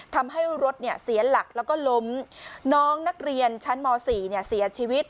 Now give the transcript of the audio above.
ทำให้รถเนี่ยเสียหลักแล้วก็ล้มน้องนักเรียนชั้นม๔เสียชีวิต